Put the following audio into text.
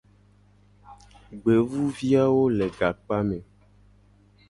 Gbevuviawo le gakpame.